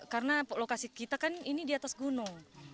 karena lokasi kita kan ini di atas gunung